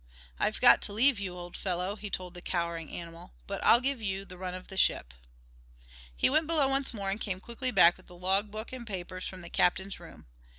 "I've got to leave you, old fellow," he told the cowering animal, "but I'll give you the run of the ship." He went below once more and came quickly back with the log book and papers from the captain's room.